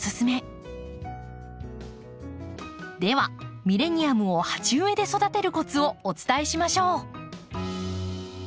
ではミレニアムを鉢植えで育てるコツをお伝えしましょう。